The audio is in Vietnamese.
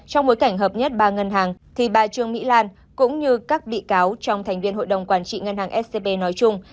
trong bối cảnh hợp nhất ba ngân hàng thì bà trương mỹ lan cũng như các bị cáo trong thành viên hội đồng quản trị ngân hàng scb nói chung